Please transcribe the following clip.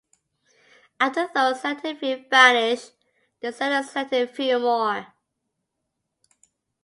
After those selected few vanish, they send a selected few more.